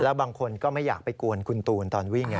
บางคนก็ไม่อยากไปกวนคุณตูนตอนวิ่ง